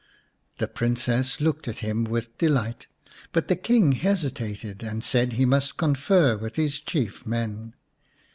The Princess looked at him with delight, but the King hesitated and said he must confer with his chief men.